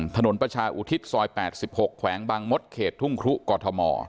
ถนนประชาอุทิศซอย๘๖แขวงบางมดเขตทุ่งครุกอทม